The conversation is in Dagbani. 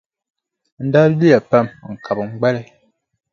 N daa luya pam n-kabigi n gbali.